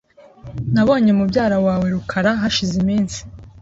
Nabonye mubyara wawe rukara hashize iminsi .